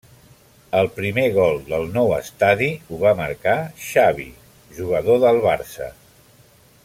El primer gol del nou estadi ho va marcar Xavi, jugador del Barça.